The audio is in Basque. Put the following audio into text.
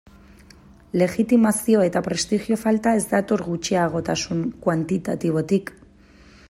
Legitimazio eta prestigio falta ez dator gutxiagotasun kuantitatibotik.